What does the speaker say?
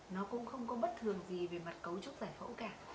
nó cũng không có bất thường gì về mặt cấu trúc giải phẫu cả